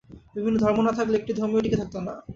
বিভিন্ন ধর্ম না থাকলে একটি ধর্মও টিকে থাকত না।